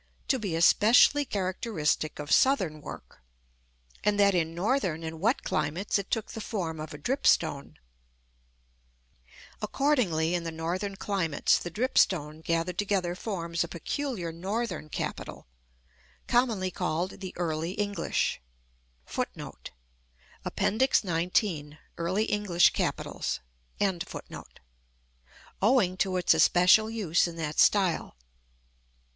to be especially characteristic of southern work, and that in northern and wet climates it took the form of a dripstone. Accordingly, in the northern climates, the dripstone gathered together forms a peculiar northern capital, commonly called the Early English, owing to its especial use in that style.